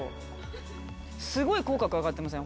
すごい口角上がってません？